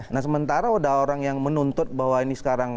nah sementara sudah orang yang menuntut bahwa ini sekarang